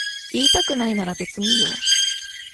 言いたくないなら別にいいよ。